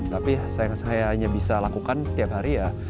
tapi yang saya hanya bisa lakukan tiap hari ya